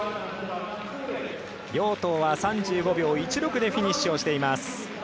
楊濤は３５秒１６でフィニッシュしています。